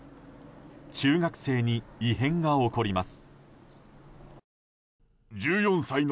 中学生に異変が起こります。